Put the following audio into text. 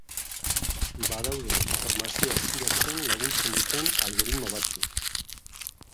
Badaude informazioa eskuratzen laguntzen duten algoritmo batzuk.